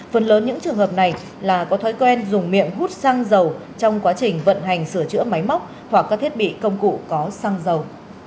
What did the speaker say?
phần lớn những trường hợp này là có thói quen dùng miệng hút xăng dầu trong quá trình vận hành sửa chữa máy móc hoặc các thiết bị công cụ có xăng dầu